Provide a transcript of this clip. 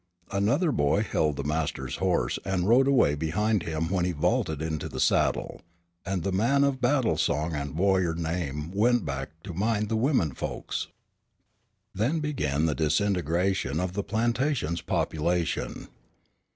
Another boy held the master's horse and rode away behind him when he vaulted into the saddle, and the man of battle song and warrior name went back to mind the women folks. Then began the disintegration of the plantation's population.